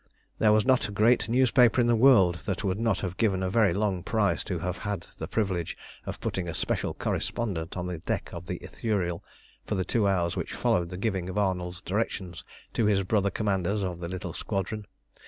There was not a great newspaper in the world that would not have given a very long price to have had the privilege of putting a special correspondent on the deck of the Ithuriel for the two hours which followed the giving of Arnold's directions to his brother commanders of the little squadron.